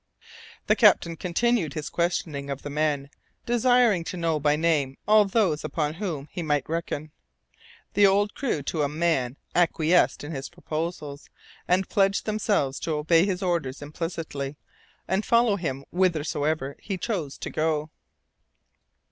The captain continued his questioning of the men, desiring to know by name all those upon whom he might reckon. The old crew to a man acquiesced in his proposals, and pledged themselves to obey his orders implicitly and follow him whithersoever he chose to go.